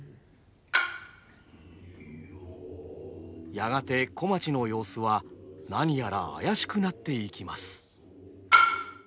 やがて小町の様子は何やらあやしくなっていきます。